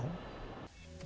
đại tá đinh giang huệ